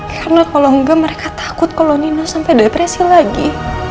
karena kalau enggak mereka takut kalau nino sampai depresi lagi